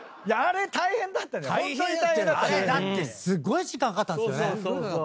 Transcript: あれだってすっごい時間かかったんすよね。